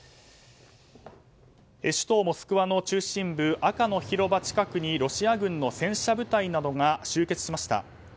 首都モスクワの中心部赤の広場近くにロシア軍の戦車部隊などが集結しました。